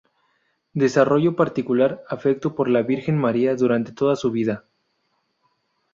Desarrolló particular afecto por la Virgen María durante toda su vida.